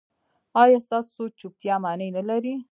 ایا ستاسو چوپتیا معنی نلري؟